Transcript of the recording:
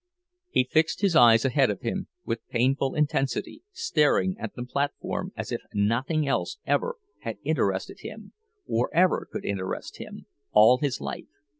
He fixed his eyes ahead of him, with painful intensity, staring at the platform as if nothing else ever had interested him, or ever could interest him, all his life.